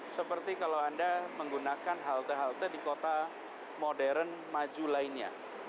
seperti kalau anda menggunakan halte halte di kota modern maju lainnya